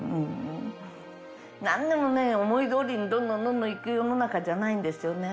なんでもね、思いどおりにどんどんどんどんいく世の中じゃないんですよね。